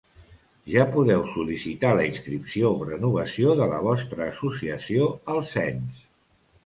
Ja podeu sol·licitar la inscripció o renovació de la vostra associació al Cens.